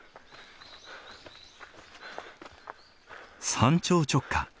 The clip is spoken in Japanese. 山頂直下。